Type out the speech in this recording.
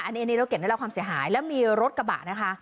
อันนี้รถเก่งได้รับความเสียหายแล้วมีรถกระบะนะคะ